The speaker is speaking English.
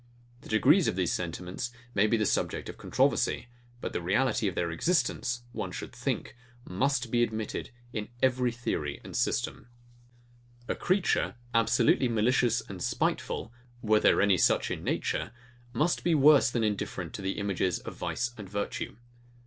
The degrees of these sentiments may be the subject of controversy; but the reality of their existence, one should think, must be admitted in every theory or system. A creature, absolutely malicious and spiteful, were there any such in nature, must be worse than indifferent to the images of vice and virtue.